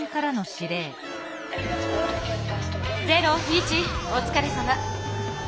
ゼロイチおつかれさま。